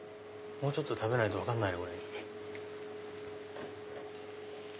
もうちょっと食べないと分かんない。